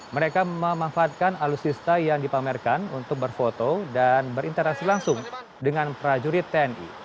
mereka memanfaatkan alutsista yang dipamerkan untuk berfoto dan berinteraksi langsung dengan prajurit tni